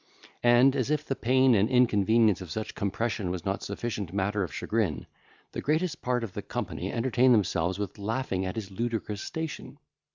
And, as if the pain and inconvenience of such compression was not sufficient matter of chagrin, the greatest part of the company entertained themselves with laughing at his ludicrous station.